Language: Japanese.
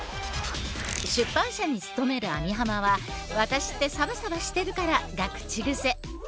出版社に勤める網浜は「ワタシってサバサバしてるから」が口癖。